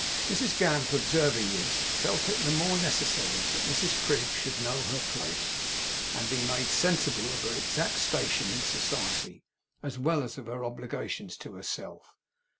Mrs Gamp observing this, felt it the more necessary that Mrs Prig should know her place, and be made sensible of her exact station in society, as well as of her obligations to herself.